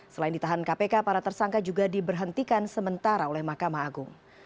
selain ditahan kpk para tersangka juga diberhentikan sementara oleh mahkamah agung